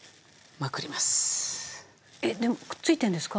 でもくっついてるんですか？